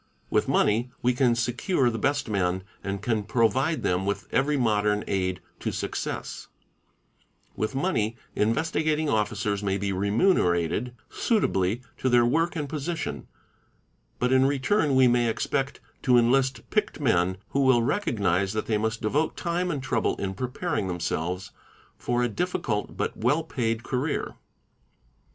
With money, we can secure the best men and can pro | vide them with every modern aid to success; with money, Investigating Officers may be remunerated suitably to their work and position, but in return we may expect to enlist picked men who will recognise that they must devote time and trouble in preparing themselves for a difficult but — well paid career.